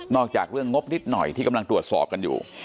จากเรื่องงบนิดหน่อยที่กำลังตรวจสอบกันอยู่